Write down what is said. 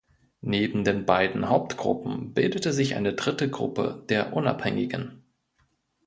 Neben den beiden Hauptgruppen bildete sich eine dritte Gruppe der „Unabhängigen“.